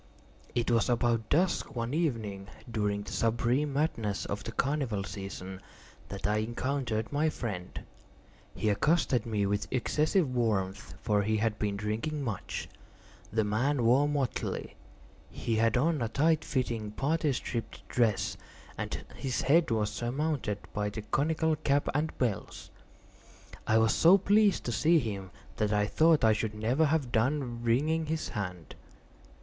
It was about dusk, one evening during the supreme madness of the carnival season, that I encountered my friend. He accosted me with excessive warmth, for he had been drinking much. The man wore motley. He had on a tight fitting parti striped dress, and his head was surmounted by the conical cap and bells. I was so pleased to see him, that I thought I should never have done wringing his hand.